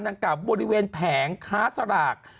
เมื่อบริเวณแผงค้าสลาก